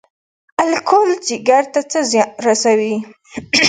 الکول ځیګر ته څه زیان رسوي؟